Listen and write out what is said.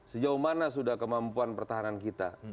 sejauh mana sudah kemampuan pertahanan kita